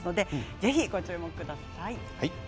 ぜひご注目ください。